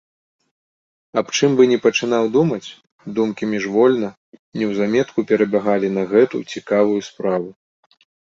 Аб чым бы ні пачынаў думаць, думкі міжвольна, неўзаметку перабягалі на гэту цікавую справу.